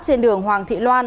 trên đường hoàng thị loan